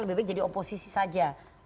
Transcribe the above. lebih baik jadi oposisi saja